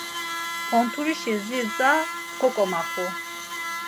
Pontulişi zirza koǩomaxu.